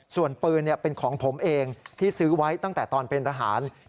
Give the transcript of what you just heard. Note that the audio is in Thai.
ส่วนปืนเป็นของผมเองที่ซื้อไว้ตั้งแต่ตอนเป็นทหาร